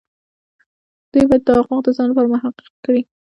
دوی باید دا حقوق د ځان لپاره محقق کړي.